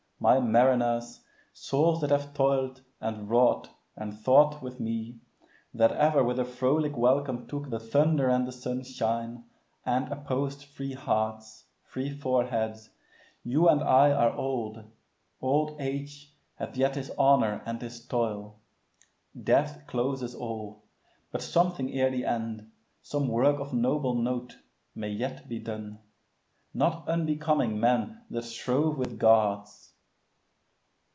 My mariners, Souls that have toil'd, and wrought, and thought with me, That ever with a frolic welcome took The thunder and the sunshine, and opposed Free hearts, free foreheads, you and I are old; Old age hath yet his honor and his toil. Death closes all; but something ere the end, Some work of noble note, may yet be done, Not unbecoming men that strove with Gods.